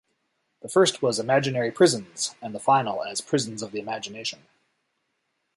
The first was 'imaginary prisons,' and the final as 'prisons of the imagination.